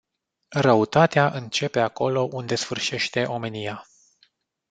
Răutatea începe acolo unde sfârșește omenia.